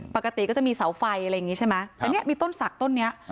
ปกติก็จะมีเสาไฟอะไรอย่างนี้ใช่ไหมแต่เนี่ยมีต้นศักดิ์ต้นนี้